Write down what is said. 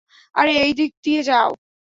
আরে এইদিক দিয়ে যাও।